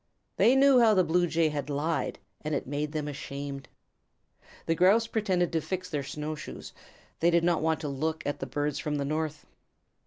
They knew how the Blue Jay had lied, and it made them ashamed. The Grouse pretended to fix their snow shoes. They did not want to look at the birds from the north.